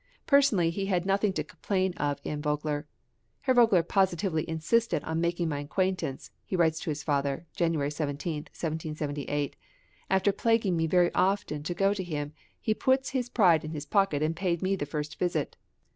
Personally he had nothing to complain of in Vogler: "Herr Vogler positively insisted on making my acquaintance," he writes to his father (January 17, 1778); "after plaguing me very often to go to him, he put his pride in his pocket and paid me the first visit."